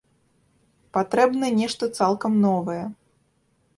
Патрэбна нешта цалкам новае.